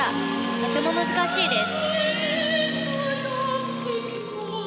とても難しいです。